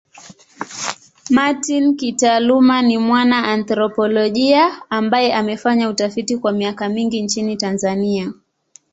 Martin kitaaluma ni mwana anthropolojia ambaye amefanya utafiti kwa miaka mingi nchini Tanzania.